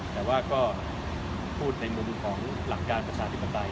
แต่ว่าก็พูดในมุมของหลักการภาษาศิกษาไตร